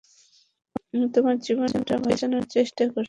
আমি তোমার জীবনটা বাঁচানোর চেষ্টা করছি।